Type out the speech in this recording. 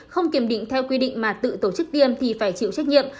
không kiểm định theo quy định mà tự tổ chức tiêm thì phải chịu trách nhiệm